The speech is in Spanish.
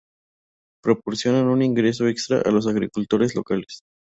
Proporcionan un ingreso extra a los agricultores locales.